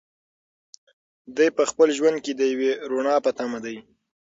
دی په خپل ژوند کې د یوې رڼا په تمه دی.